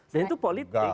dan itu politik